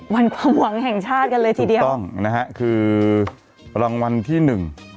ความหวังแห่งชาติกันเลยทีเดียวถูกต้องนะฮะคือรางวัลที่หนึ่ง